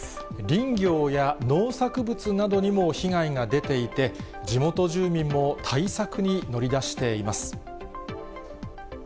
林業や農作物などにも被害が出ていて、地元住民も対策に乗り出しています。